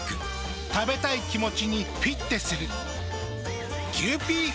食べたい気持ちにフィッテする。